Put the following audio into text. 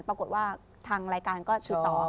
ปรากฏว่าทางรายการก็ถือต่อ